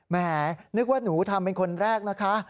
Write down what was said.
แหมนึกว่าหนูทำเป็นคนแรกนะคะ